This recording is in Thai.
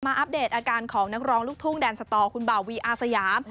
อัปเดตอาการของนักร้องลูกทุ่งแดนสตอคุณบ่าวีอาสยาม